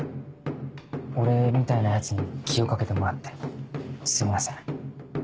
俺みたいなヤツに気を掛けてもらってすいません。